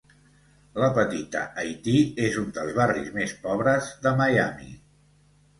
La Petita Haití és un dels barris més pobres de Miami.